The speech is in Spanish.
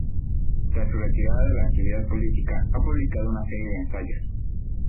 Tras su retirada de la actividad política ha publicado una serie de ensayos.